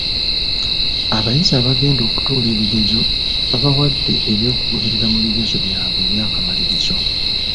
Abayizi abagenda okutuula ebigezo babawadde eby'okugoberera mu bigezo byabwe eby'akamalirizo.